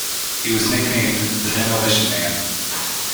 He was nicknamed the "Demolition Man".